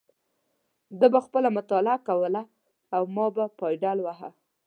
ده به خپله مطالعه کوله او ما به پایډل واهه.